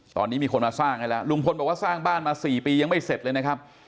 ตอนนี้มีคนมาสร้างให้แล้วลุงพลบอกว่าสร้างบ้านมา๔ปียังไม่เสร็จเลยนะครับ